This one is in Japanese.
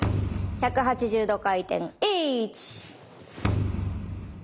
１８０度回転。